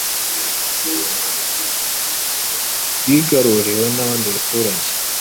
bwigaruriwe n’abandi baturage